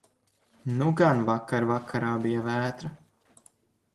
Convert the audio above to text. Nu gan vakar vakarā bija vētra.